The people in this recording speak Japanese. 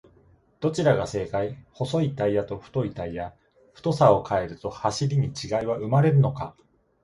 どちらが正解!?細いタイヤと太いタイヤ、太さを変えると走りに違いは生まれるのか？